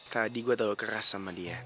tadi gue terlalu keras sama dia